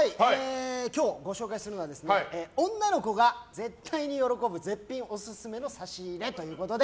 今日、ご紹介するのは女の子が絶対に喜ぶ絶品オススメの差し入れということで。